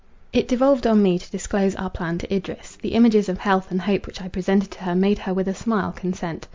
It devolved on me to disclose our plan to Idris. The images of health and hope which I presented to her, made her with a smile consent.